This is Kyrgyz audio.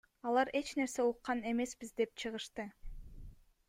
Алар эч нерсе уккан эмеспиз деп чыгышты.